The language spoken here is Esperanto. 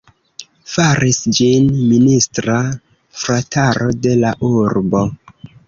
Faris ĝin minista frataro de la urbo.